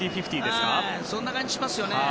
そんな感じしますよね。